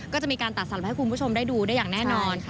ก็จะมีการตัดสับให้คุณผู้ชมได้ดูได้อย่างแน่นอนค่ะ